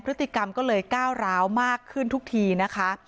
พฤติกรรมก็เลยก้าวร้าวมากขึ้นทุกทีนะคะ